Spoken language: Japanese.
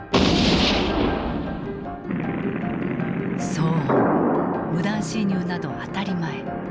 騒音無断侵入など当たり前。